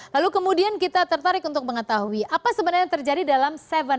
lalu kemudian kita tertarik untuk mengetahui apa sebenarnya terjadi dalam tujuh sebelas